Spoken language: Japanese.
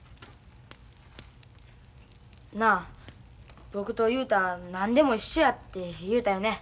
なあ僕と雄太何でも一緒やって言うたよね？